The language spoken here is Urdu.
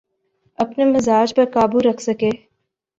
اپنے مزاج پہ قابو رکھ سکے۔